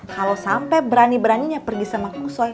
kalo sampe berani beraninya pergi sama kusoi